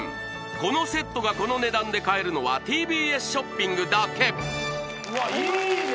このセットがこの値段で買えるのはＴＢＳショッピングだけうわっいいね